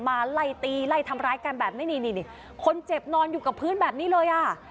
ไล่ตีไล่ทำร้ายกันแบบนี้นี่นี่คนเจ็บนอนอยู่กับพื้นแบบนี้เลยอ่ะ